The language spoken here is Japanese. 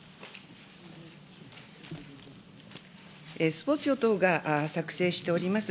スポーツ庁等が作成しております